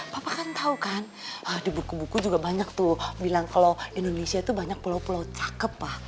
bapak kan tahu kan di buku buku juga banyak tuh bilang kalau indonesia itu banyak pulau pulau cakep lah